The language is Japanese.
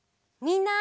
みんな！